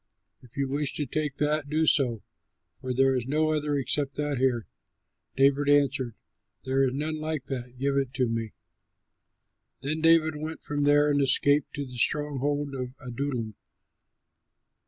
If you wish to take that, do so, for there is no other except that here." David answered, "There is none like that; give it to me." Then David went from there and escaped to the stronghold of Adullam.